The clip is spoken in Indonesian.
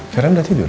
sekarang udah tidur